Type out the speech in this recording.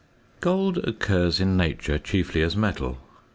Gold occurs in nature chiefly as metal.